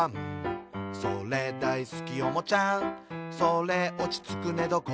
「それ、だいすきおもちゃそれおちつく寝床」